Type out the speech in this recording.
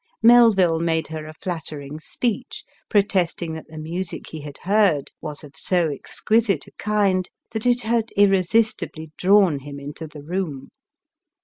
Melville made her a flattering speech, protesting that the music he had heard was of so ex quisite a kind, that it had irresistibly drawn him into the room.